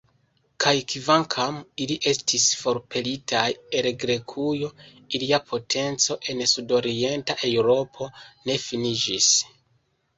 Kaj kvankam ili estis forpelitaj el Grekujo, ilia potenco en sudorienta Eŭropo ne finiĝis.